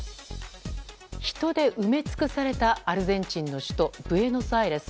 人で埋め尽くされたアルゼンチンの首都ブエノスアイレス。